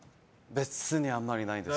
別にあんまりないです。